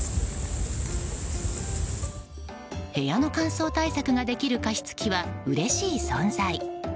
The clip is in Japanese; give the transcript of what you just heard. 部屋の乾燥対策ができる加湿器はうれしい存在。